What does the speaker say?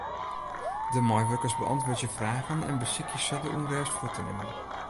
De meiwurkers beäntwurdzje fragen en besykje sa de ûnrêst fuort te nimmen.